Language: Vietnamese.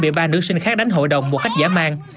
bị ba nữ sinh khác đến hội đồng một cách giả mang